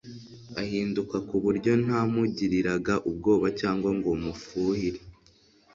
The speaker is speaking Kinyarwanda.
ahinduka kuburyo ntamugiriraga ubwoba cyangwa ngo mufuhire